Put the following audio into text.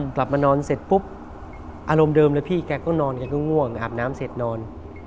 กลับมานอนเสร็จปุ๊บอารมณ์เดิมเลยพี่แกก็นอนแกก็ง่วงอาบน้ำเสร็จนอน